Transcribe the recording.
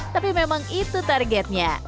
tapi memang itu targetnya